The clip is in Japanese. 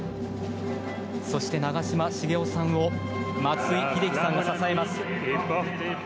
そして長嶋茂雄さんを松井秀喜さんが支えます。